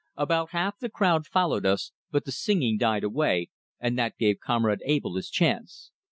About half the crowd followed us, but the singing died away, and that gave Comrade Abell his chance.